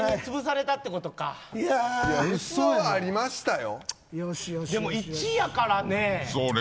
器はありましたよ。